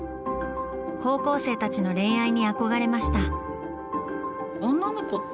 高校生たちの恋愛に憧れました。